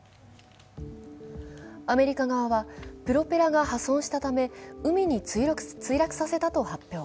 アメリカ側は、プロペラが破損したため、海に墜落させたと発表。